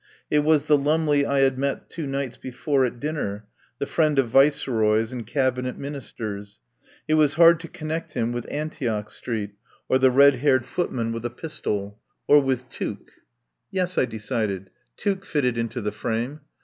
It was the Lumley I had met two nights before at dinner, the friend of Viceroys and Cabinet Ministers. It was hard to con nect him with Antioch Street or the red haired footman with a pistol. Or with Tuke? 190 THE POWER HOUSE Yes, I decided, Tuke fitted into the frame.